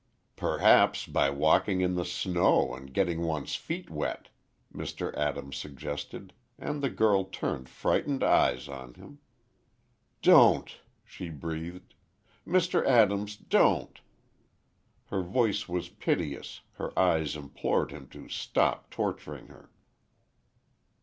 "Perhaps by walking in the snow, and getting one's feet wet," Mr. Adams suggested, and the girl turned frightened eyes on him. "Don't," she breathed; "Mr. Adams, don't!" Her voice was piteous her eyes implored him to stop torturing her.